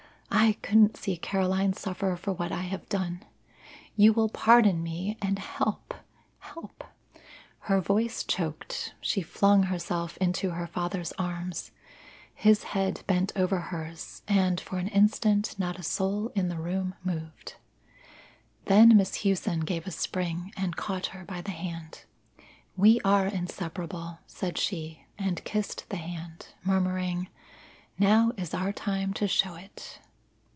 I couldn't see Caroline suffer for what I have done. You will pardon me and help help " Her voice choked. She flung herself into her father's arms; his head bent over hers, and for an instant not a soul in the room moved. Then Miss Hughson gave a spring and caught her by the hand. "We are inseparable," said she, and kissed the hand, murmuring, "Now is our time to show it."